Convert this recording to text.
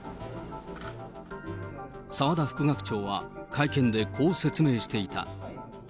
澤田副学長は、会見でこう説明していた。